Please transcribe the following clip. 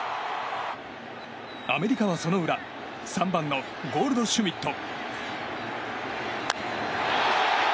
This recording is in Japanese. アメリカはその裏３番のゴールドシュミット。